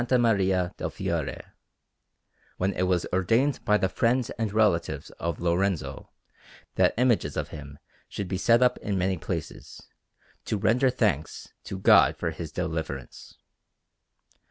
Maria del Fiore, when it was ordained by the friends and relatives of Lorenzo that images of him should be set up in many places, to render thanks to God for his deliverance.